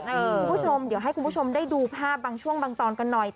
คุณผู้ชมเดี๋ยวให้คุณผู้ชมได้ดูภาพบางช่วงบางตอนกันหน่อย